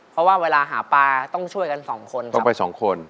เพราะว่าเวลาหาปลาต้องช่วยกันสองคนต้องไปสองคน